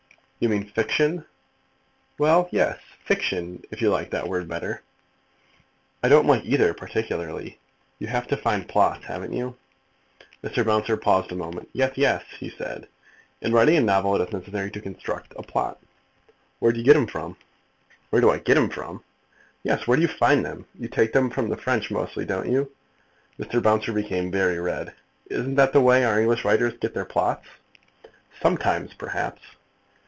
"You mean fiction." "Well, yes; fiction, if you like that word better." "I don't like either, particularly. You have to find plots, haven't you?" Mr. Bouncer paused a moment. "Yes; yes," he said. "In writing a novel it is necessary to construct a plot." "Where do you get 'em from?" "Where do I get 'em from?" "Yes, where do you find them? You take them from the French mostly; don't you?" Mr. Bouncer became very red. "Isn't that the way our English writers get their plots?" "Sometimes, perhaps."